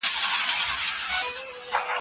آیا ستا ورځنی حساب کتاب له تېروتنو پاک دی؟